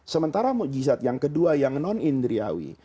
sementara mukjizat yang kedua yang non indriyawi